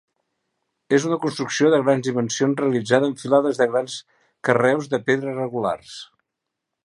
És una construcció de grans dimensions realitzada amb filades de grans carreus de pedra regulars.